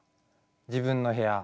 自分の部屋？